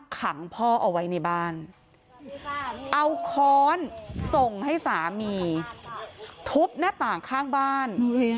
ขังพ่อเอาไว้ในบ้านเอาค้อนส่งให้สามีทุบหน้าต่างข้างบ้าน